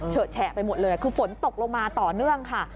แฉะไปหมดเลยคือฝนตกลงมาต่อเนื่องค่ะ